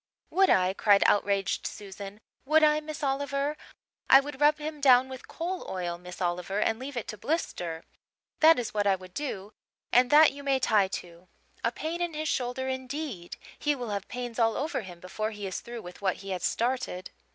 "Would I?" cried outraged Susan. "Would I, Miss Oliver? I would rub him down with coal oil, Miss Oliver and leave it to blister. That is what I would do and that you may tie to. A pain in his shoulder, indeed! He will have pains all over him before he is through with what he has started."